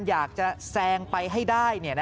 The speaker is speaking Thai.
อยากจะแซงไปให้ได้